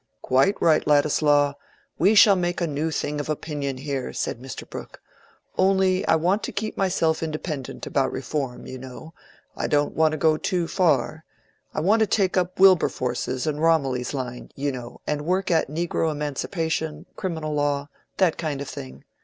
"Quite right, Ladislaw; we shall make a new thing of opinion here," said Mr. Brooke. "Only I want to keep myself independent about Reform, you know; I don't want to go too far. I want to take up Wilberforce's and Romilly's line, you know, and work at Negro Emancipation, Criminal Law—that kind of thing.